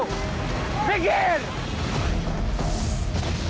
kita harus ke rumah